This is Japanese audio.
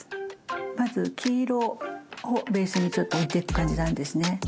まず黄色をベースに置いていく感じなんですね。